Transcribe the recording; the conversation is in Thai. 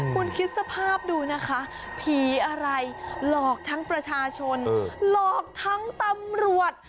คุณคิดสภาพดูนะคะผีอะไรหลอกทั้งประชาชนหลอกทั้งตำรวจ